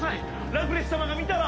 ラクレス様が見たら。